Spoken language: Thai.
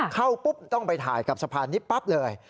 เข้าปุ๊บต้องไปถ่ายกับสะพานนี้ปั๊บเลย